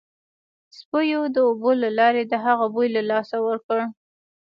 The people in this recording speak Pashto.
سپیو د اوبو له لارې د هغه بوی له لاسه ورکړ